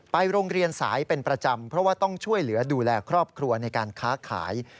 โรงเรียนสายเป็นประจำเพราะว่าต้องช่วยเหลือดูแลครอบครัวในการค้าขาย